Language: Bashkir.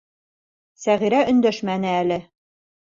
Сәғирә өндәшмәне әле.